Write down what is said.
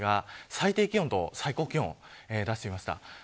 最低気温と最高気温を出してみました。